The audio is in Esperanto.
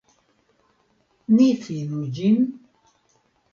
Ni finu ĝin?